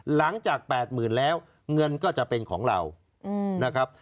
หลังจาก๘๐๐๐แล้วเงินก็จะเป็นของเรานะครับ